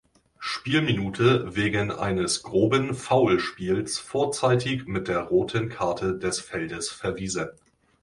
Spielminute wegen eines groben Foulspiels vorzeitig mit der roten Karte des Feldes verwiesen.